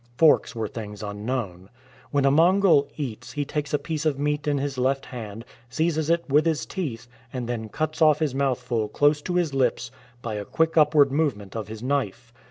Forks were things unknown. When a Mon gol eats he takes a piece of meat in his left hand, seizes it with his teeth, and then cuts off his mouthful close to his lips by a quick upward movement of his knife.